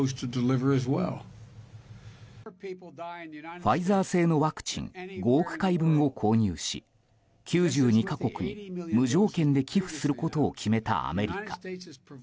ファイザー製のワクチン５億回分を購入し９２か国に無条件で寄付することを決めたアメリカ。